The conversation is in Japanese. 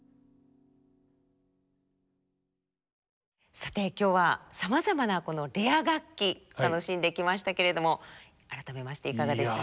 さて今日はさまざまなこのレア楽器楽しんできましたけれども改めましていかがですか？